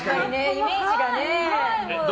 イメージがね。